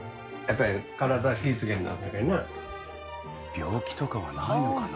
病気とかはないのかな？